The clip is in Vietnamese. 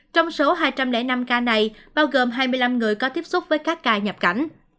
trong số hai trăm linh năm ca này bao gồm hai mươi năm người có tiếp xúc với các ca nhập cảnh